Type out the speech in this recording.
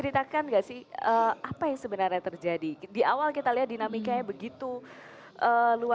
kita sekarang jadah dulu